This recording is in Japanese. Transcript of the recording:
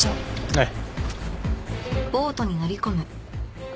はい。